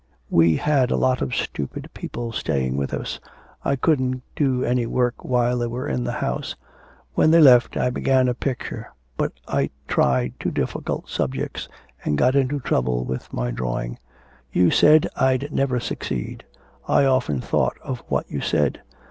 We had a lot of stupid people staying with us. I couldn't do any work while they were in the house. When they left I began a picture, but I tried too difficult subjects and got into trouble with my drawing. You said I'd never succeed. I often thought of what you said.